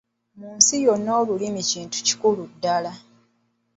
Mu nsi yonna Olulimi kintu kikulu ddala.